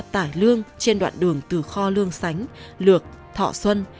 tải lương trên đoạn đường từ kho lương sánh lược thọ xuân